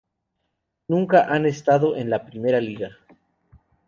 Nunca han estado en la Primeira Liga.